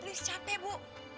lihs capek bu